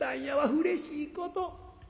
うれしいこと」。